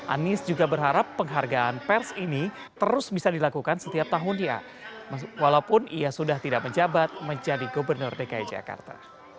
anies juga berharap penghargaan pers ini terus bisa dilakukan setiap tahun dia walaupun ia sudah tidak menjabat menjadi gubernur dki jakarta